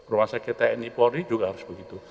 rumah sakit tni polri juga harus begitu